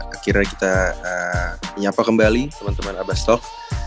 akhirnya kita menyapa kembali teman teman abastov